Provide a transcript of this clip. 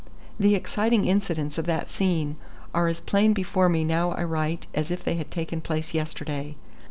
The exciting incidents of that scene are as plain before me now I write as if they had taken place yesterday.